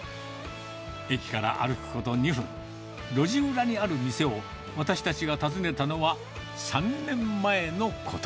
駅から歩くこと２分、路地裏にある店を、私たちが訪ねたのは３年前のこと。